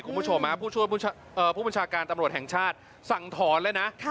คุณผู้ชมผู้ช่วยผู้บัญชาการตำรวจแห่งชาติสั่งถอนแล้วนะ